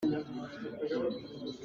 Thaizing Chicago ah ka kal lai. .